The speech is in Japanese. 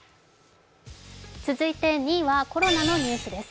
続いて２位はコロナのニュースです。